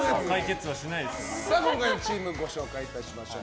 今回のチームご紹介いたしましょう。